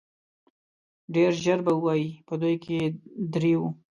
ډېر ژر به ووايي په دوی کې درې وو.